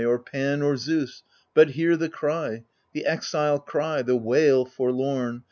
Or Pan, or Zeus, but hear the cry. The exile cry, the wail forlorn.